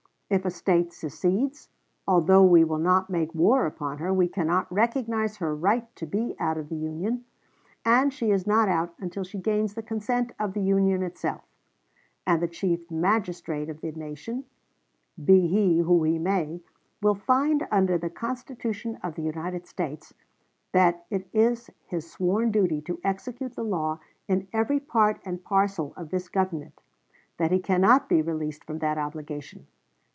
If a State secedes, although we will not make war upon her, we cannot recognize her right to be out of the Union, and she is not out until she gains the consent of the Union itself; and the chief magistrate of the nation, be he who he may, will find under the Constitution of the United States that it is his sworn duty to execute the law in every part and parcel of this Government; that he cannot be released from that obligation....